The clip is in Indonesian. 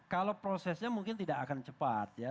kalau prosesnya mungkin tidak akan cepat ya